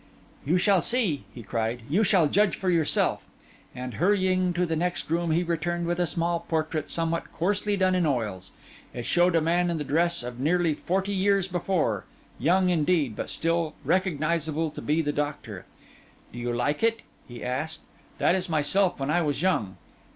'You shall see,' he cried; 'you shall judge for yourself.' And hurrying to the next room he returned with a small portrait somewhat coarsely done in oils. It showed a man in the dress of nearly forty years before, young indeed, but still recognisable to be the doctor. 'Do you like it?' he asked. 'That is myself when I was young.